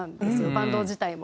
バンド自体も。